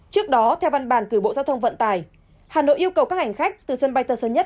trước đó theo văn bản cử bộ giao thông vận tài hà nội yêu cầu các hành khách từ sân bay tân sân nhất